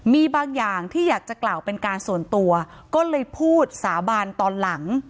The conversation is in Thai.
มีบางอย่างที่อยากจะกล่าวเป็นการส่วนตัวก็เลยพูดสาบานตอนหลัง